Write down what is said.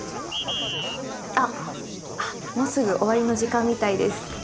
あっもうすぐ終わりの時間みたいです。